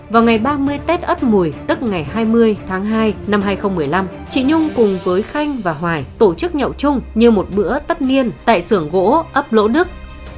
vào ngày ba mươi tết ất mùi tức ngày hai mươi tháng hai năm hai nghìn một mươi năm chị nhung cùng với khanh và hoài tổ chức nhậu chung như một bữa tất niên tại xưởng gỗ ấp lỗ đức